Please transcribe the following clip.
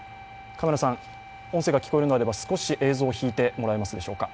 カメラさん、音声が聞こえるのであれば少し映像を引いてもらえましょうでしょうか。